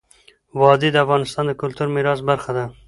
وادي د افغانستان د کلتوري میراث برخه ده.